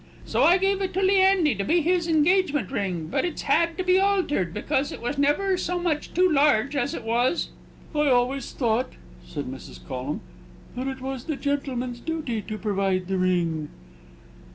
So I gave it to Leandy, to be his engagement ring; but it's had to be altered, because it was ever so much too large as it was." "I always thought," said Mrs. Collum, "that it was the gentleman's duty to provide the ring."